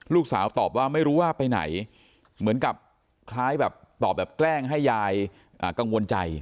ลูกสาวตอบว่าไม่รู้ว่าไปไหนเหมือนกับคล้ายแบบตอบแบบแกล้งให้ยายกังวลใจ